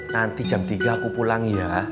nanti jam tiga aku pulang ya